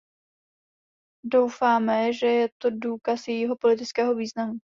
Doufáme, že je to důkaz jejího politického významu.